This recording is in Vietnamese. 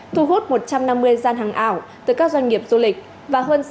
thu hút một trăm năm mươi gian hàng ảo từ các doanh nghiệp du lịch